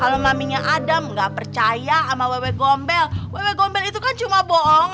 kalau ngambingnya adam nggak percaya sama wewe gombel wewe gombel itu kan cuma bohong